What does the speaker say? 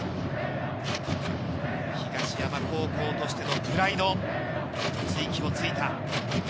東山高校としてのプライド、一つ息をついた。